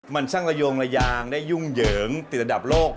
มันช่างระโยงระยางได้ยุ่งเหยิงติดระดับโลก